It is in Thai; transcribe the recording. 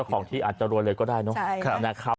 ก็ของที่อาจจะรวยเลยก็ได้เนอะใช่ครับนะครับ